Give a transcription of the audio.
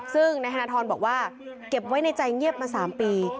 ซึ่งนายธนทรบอกว่าเก็บไว้ในใจเงียบมา๓ปี